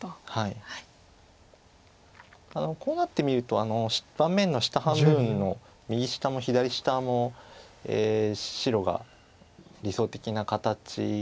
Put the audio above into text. こうなってみると盤面の下半分の右下も左下も白が理想的な形です。